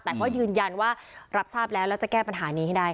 แต่ยืนยันว่ารับทราบแล้วจะแก้ปัญหานี้ได้